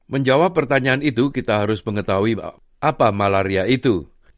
menjawab pertanyaan itu kita harus mengetahui apa malaria itu